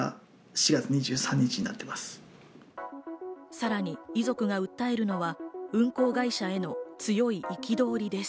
さらに遺族が訴えるのは、運航会社への強い憤りです。